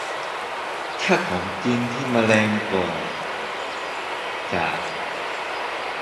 ถ้าของจีนที่มาแรงก็ จาก